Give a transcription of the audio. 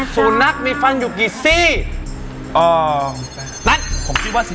สูงนักมีฟันอยู่อยู่กี่ซี่